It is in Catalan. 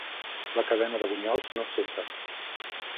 La cadena de bunyols no cessa.